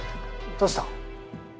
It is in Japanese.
どうした？